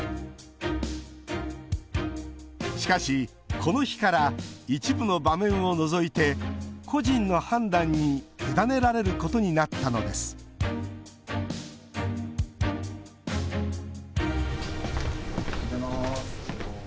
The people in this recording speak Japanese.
しかし、この日から一部の場面を除いて個人の判断に委ねられることになったのですおはようございます。